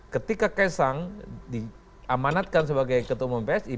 ketika kaisang diamanatkan sebagai ketua umum psi